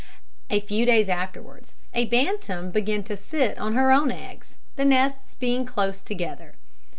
A few days afterwards, a bantam began to sit on her own eggs the nests being close together.